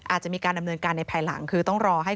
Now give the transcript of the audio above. อาจจะมีการดำเนินการในภายหลังคือต้องรอให้